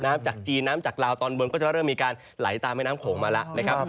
จากจีนน้ำจากลาวตอนบนก็จะเริ่มมีการไหลตามแม่น้ำโขงมาแล้วนะครับ